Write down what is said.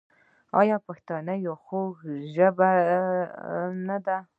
آیا پښتو یوه خوږه ژبه نه ده؟